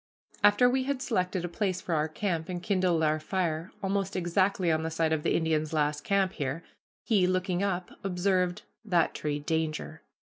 After we had selected a place for our camp, and kindled our fire, almost exactly on the site of the Indian's last camp here, he, looking up, observed, "That tree danger."